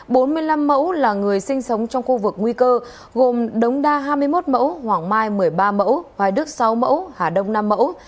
bốn mươi năm mẫu là người sinh sống trong khu vực nguy cơ gồm đống đa hai mươi một mẫu hoàng mai một mươi ba mẫu hoài đức sáu mẫu hà đông nam mẫu